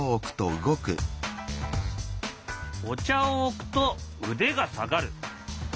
お茶を置くと腕が下がる。